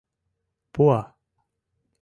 Пуа.